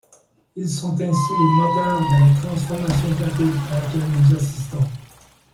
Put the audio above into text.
Ils sont ainsi les moteurs de la transformation rapide à laquelle nous assistons.